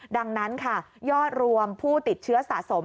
ดังนั้นค่ะยอดรวมผู้ติดเชื้อสะสม